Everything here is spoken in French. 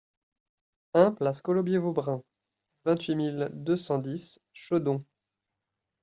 un place Colombier Vaubrun, vingt-huit mille deux cent dix Chaudon